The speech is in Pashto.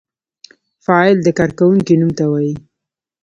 فاعل د کار کوونکی نوم ته وايي.